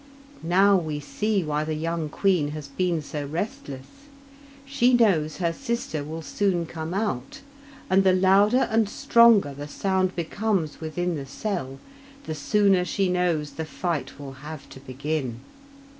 Now we see why the young queen has been so restless. She knows her sister will soon come out, and the louder and stronger the sound becomes within the cell, the sooner she knows the fight will have to begin.